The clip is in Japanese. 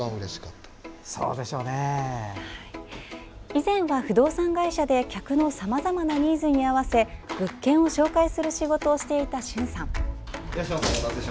以前は不動産会社で客のさまざまなニーズに合わせ物件を紹介する仕事をしていた駿さん。